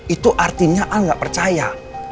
itu artinya yang ngga percaya